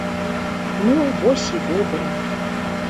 Ну, вось і добра.